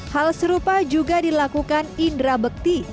hal serupa juga dilakukan indra bekti